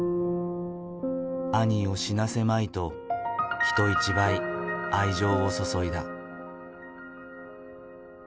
兄を死なせまいと人一倍愛情を注いだ。